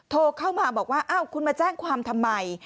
โทรเข้ามาบอกว่าอ้าวคุณมาแจ้งความทำไม